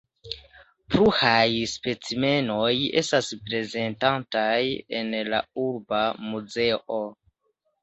Pluraj specimenoj estas prezentataj en la Urba Muzeo.